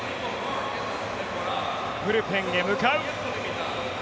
ブルペンへ向かう。